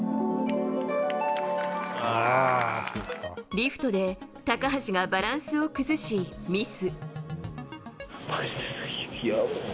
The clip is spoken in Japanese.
リフトで高橋がバランスを崩しミス。